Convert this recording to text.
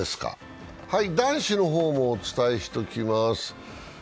男子の方もお伝えしておきます。